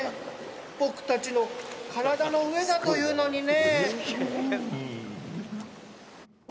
僕達の体の上だというのにね